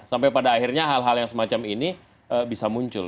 sampai pada akhirnya hal hal yang semacam ini bisa muncul